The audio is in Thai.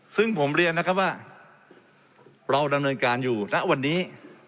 ซึ่งผมเรียนนะครับว่าเราดำเนินการอยู่ณวันนี้